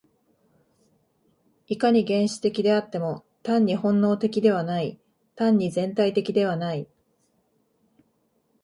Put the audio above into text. いかに原始的であっても、単に本能的ではない、単に全体的ではない。